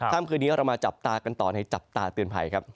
ค่ำคืนนี้เรามาจับตากันต่อในจับตาเตือนภัยครับ